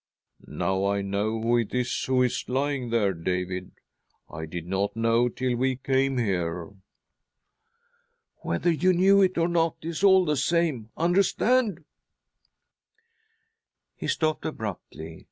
" Now I know who it is who is lying there, David. I did not know till we came here." " Whether you knew it or not, it is all the same — understand " He stopped abruptly.